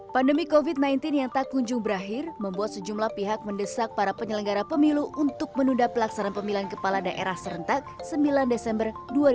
pandemi covid sembilan belas yang tak kunjung berakhir membuat sejumlah pihak mendesak para penyelenggara pemilu untuk menunda pelaksanaan pemilihan kepala daerah serentak sembilan desember dua ribu dua puluh